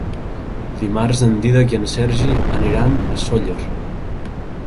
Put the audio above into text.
Dimarts en Dídac i en Sergi aniran a Sóller.